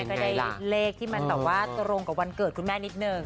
ก็ได้เลขที่มันแบบว่าตรงกับวันเกิดคุณแม่นิดนึง